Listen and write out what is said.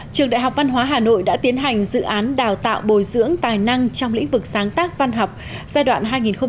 trường đại học văn hóa hà nội đã tiến hành dự án đào tạo bồi dưỡng tài năng trong lĩnh vực sáng tác văn học giai đoạn hai nghìn một mươi tám hai nghìn hai mươi